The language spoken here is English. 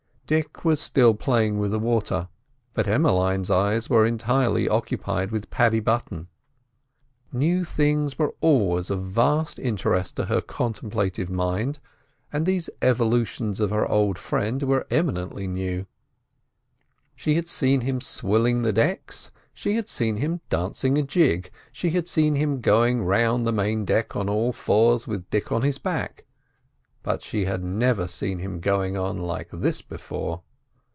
Dick was still playing with the water, but Emmeline's eyes were entirely occupied with Paddy Button. New things were always of vast interest to her contemplative mind, and these evolutions of her old friend were eminently new. She had seen him swilling the decks, she had seen him dancing a jig, she had seen him going round the main deck on all fours with Dick on his back, but she had never seen him going on like this before.